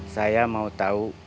saya mau tahu